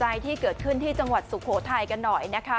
ใจที่เกิดขึ้นที่จังหวัดสุโขทัยกันหน่อยนะคะ